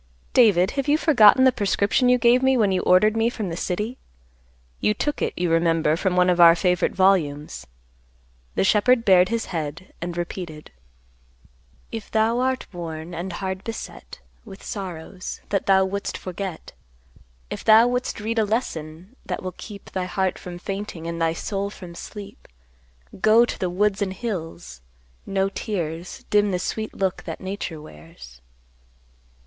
"David, have you forgotten the prescription you gave me when you ordered me from the city? You took it you remember from one of our favorite volumes." The shepherd bared his head and repeated, "If thou art worn and hard beset, With sorrows, that thou wouldst forget; If thou wouldst read a lesson, that will keep Thy heart from fainting and thy soul from sleep, Go to the woods and hills! No tears Dim the sweet look that Nature wears."